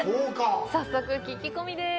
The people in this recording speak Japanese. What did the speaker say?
早速、聞き込みです！